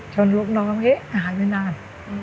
จนรุ่นน้องเอ้าเหยะหายไปนาน